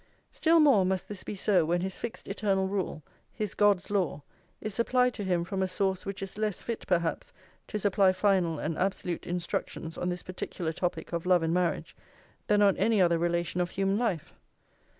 Still more must this be so when his fixed eternal rule, his God's law, is supplied to him from a source which is less fit, perhaps, to supply final and absolute instructions on this particular topic of love and marriage than on any other relation of human life.